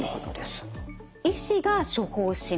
医師が処方します。